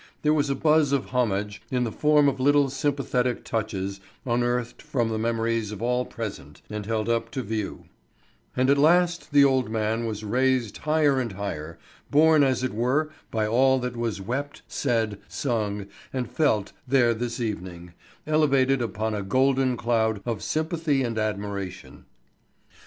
There was a buzz of homage in the form of little sympathetic touches unearthed from the memories of all present and held up to view; and at last the old man was raised higher and higher, borne as it were by all that was wept, said, sung, and felt there this evening elevated upon a golden cloud of sympathy and admiration.